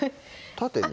縦に？